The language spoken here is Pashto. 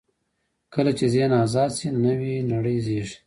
کله چې ذهن آزاد شي، نوې نړۍ زېږي.